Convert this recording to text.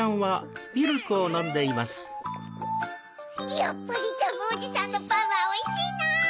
やっぱりジャムおじさんのパンはおいしいな！